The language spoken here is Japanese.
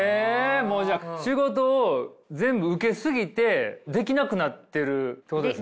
もうじゃあ仕事を全部受け過ぎてできなくなってるってことですね。